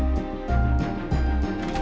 sawah terhubung bukitipe